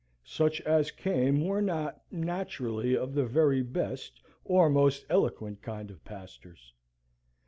Such as came were not, naturally, of the very best or most eloquent kind of pastors.